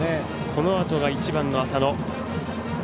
このあとが１番の浅野。